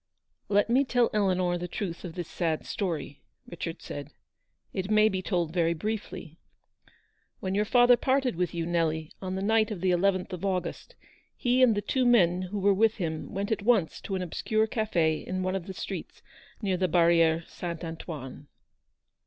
"Let me tell Eleanor the truth of this sad story," Richard said, " it may be told very briefly. "When your father parted with you, Nelly, on the night of the 11th of August, he and the two men who were with him went at once to an obscure cafe in one of the streets near the Barriere Saint Antoine.